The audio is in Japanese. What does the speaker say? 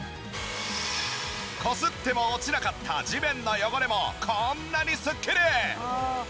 こすっても落ちなかった地面の汚れもこんなにスッキリ！